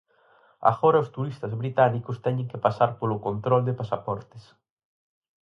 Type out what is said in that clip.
Agora os turistas británicos teñen que pasar polo control de pasaportes.